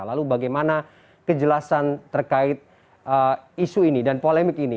lalu bagaimana kejelasan terkait isu ini dan polemik ini